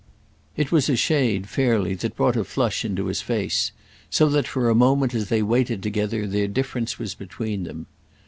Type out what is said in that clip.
It was a shade, fairly, that brought a flush into his face; so that for a moment, as they waited together, their difference was between them.